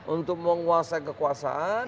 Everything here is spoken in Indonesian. untuk menguasai kekuasaan